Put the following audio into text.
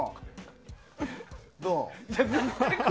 どう？